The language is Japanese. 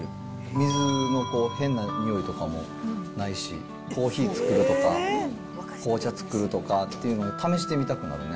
水の変なにおいとかもないし、コーヒー作るとか、紅茶作るっていうので試してみたくなるね。